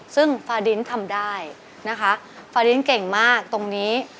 ซึ่งฟาดินทำได้นะคะฟาดินเก่งมากตรงนี้